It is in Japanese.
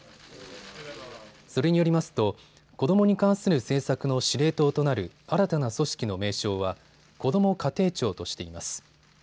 それによりますと子どもに関する政策の司令塔となる新たな組織の名称はこども家庭庁としています。